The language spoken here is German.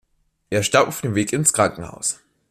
Er starb auf dem Weg ins Krankenhaus.